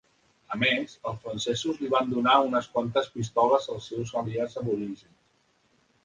A més, els francesos li van donar unes quantes pistoles als seus aliats aborígens.